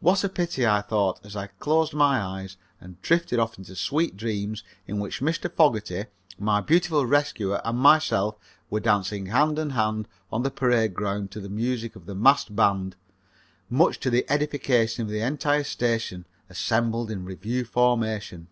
"What a pity!" I thought as I closed my eyes and drifted off into sweet dreams in which Mr. Fogerty, my beautiful rescuer, and myself were dancing hand and hand on the parade ground to the music of the massed band, much to the edification of the entire station assembled in review formation.